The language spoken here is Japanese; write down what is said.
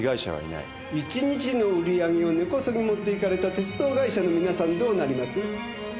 一日の売り上げを根こそぎ持って行かれた鉄道会社の皆さんどうなります？